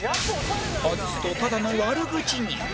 外すとただの悪口に！